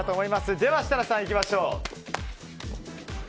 では、設楽さんいきましょう。